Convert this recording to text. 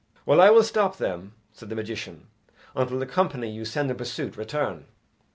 "Well, I will stop them," said the magician, "until the company you send in pursuit return."